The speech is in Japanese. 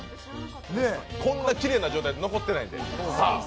こんなきれいな状態で残ってないんで。